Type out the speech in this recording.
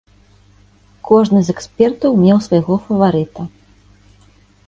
Кожны з экспертаў меў свайго фаварыта.